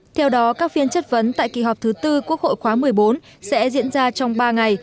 theo đó các phiên chất vấn tại kỳ họp thứ tư quốc hội khóa một mươi bốn sẽ diễn ra trong ba ngày